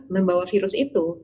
membawa virus itu